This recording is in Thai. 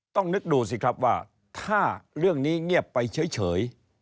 ต้องนึกดูสิครับว่าถ้าเรื่องนี้เงียบไปเฉย